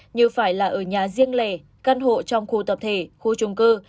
như phải là ở nhà riêng lẻ căn hộ trong khu tập thể khu trung cư